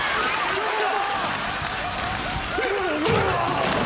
ちょっと！？